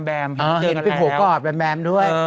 เห็นเป็นโผล่กอดแมมด้วย